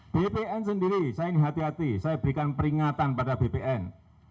bpn sendiri saya ingin hati hati saya berikan peringatan pada bpn